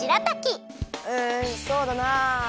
うんそうだな。